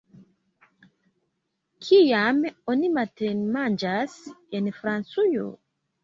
Kiam oni matenmanĝas en Francujo?